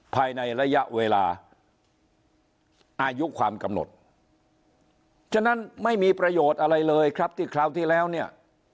ภายในระยะเวลาอายุความกำหนดฉะนั้นไม่มีประโยชน์อะไรเลยครับที่คราวที่แล้วเนี่ย